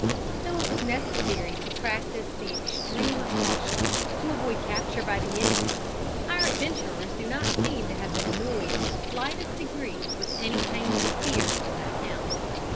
Though it was necessary to practice the extreme of caution, to avoid capture by the Indians, our adventurers do not seem to have been annoyed in the slightest degree with any painful fears on that account.